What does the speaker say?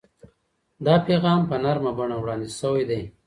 دا پیغام په نرمه بڼه وړاندې شوی دی.